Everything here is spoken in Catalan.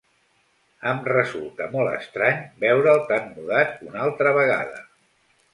Em resulta molt estrany veure'l tan mudat una altra vegada.